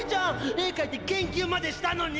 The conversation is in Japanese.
絵描いて研究までしたのに！